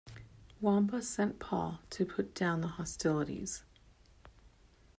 Wamba sent Paul to put down the hostilities.